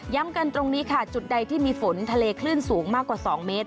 กันตรงนี้ค่ะจุดใดที่มีฝนทะเลคลื่นสูงมากกว่า๒เมตร